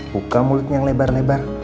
buka mulutnya lebar lebar